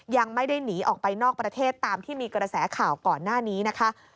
ยังไม่ได้หนีออกไปนอกประเทศตามที่มีกระแสข่าวก่อนหน้านี้นะคะ